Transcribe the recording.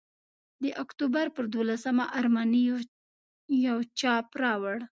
د اکتوبر پر دوولسمه ارماني یو چاپ راوړ.